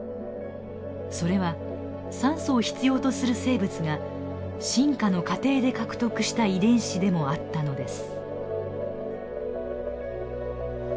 それは酸素を必要とする生物が進化の過程で獲得した遺伝子でもあったのです。